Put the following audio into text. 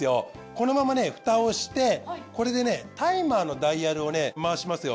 このままね蓋をしてこれでねタイマーのダイヤルをね回しますよ。